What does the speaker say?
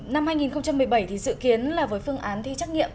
năm hai nghìn một mươi bảy thì dự kiến là với phương án thi trắc nghiệm